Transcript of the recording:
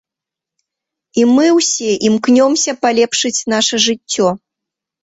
І мы ўсе імкнёмся палепшыць наша жыццё!